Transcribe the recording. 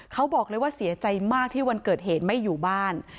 เขาบอกเลยว่าเสียใจมากที่วันเกิดเหตุไม่อยู่บ้าน